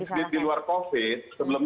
sulit di luar covid sebelum